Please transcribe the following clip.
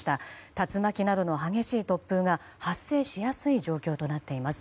竜巻などの激しい突風が発生しやすい状況となっています。